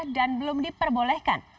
dan belum diperbolehkan